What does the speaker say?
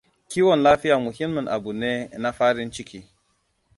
Kiwon lafiya muhimmin abu ne na farin ciki.